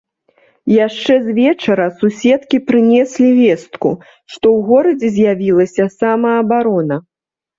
Яшчэ з вечара суседкі прынеслі вестку, што ў горадзе з'явілася самаабарона.